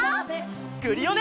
クリオネ！